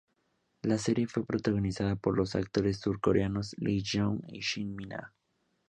La serie fue protagonizada por los actores surcoreanos Lee Je-hon y Shin Min-a.